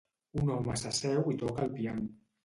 Un home s'asseu i toca el piano